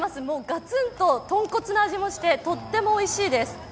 ガツンと豚骨の味がしてとってもおいしいです。